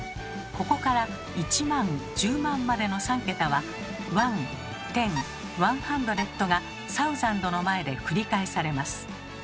ここから「一万十万」までの３桁は「ワンテンワンハンドレッド」が「サウザンド」の前で繰り返されます。